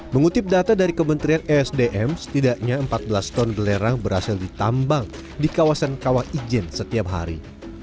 mengutip data dari kementerian esdm setidaknya empat belas ton belerang berhasil ditambang di kawasan kawah ijen setiap hari